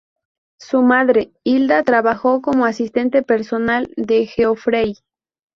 Su madre, Hilda, trabajó como asistente personal de Geoffrey.